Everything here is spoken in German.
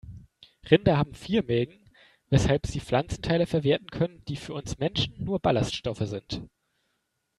Rinder haben vier Mägen, weshalb sie Pflanzenteile verwerten können, die für uns Menschen nur Ballaststoffe sind.